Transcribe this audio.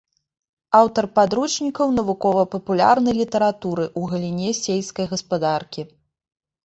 Аўтар падручнікаў навукова-папулярнай літаратуры ў галіне сельскай гаспадаркі.